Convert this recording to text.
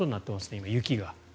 今、雪が。